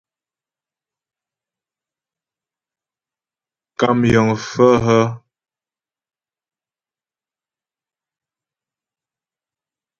Kàm yəŋ pfə́ hə́ ?